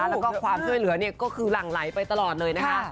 แล้วก็ความช่วยเหลือก็คือหลั่งไหลไปตลอดเลยนะคะ